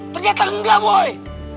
ternyata enggak boy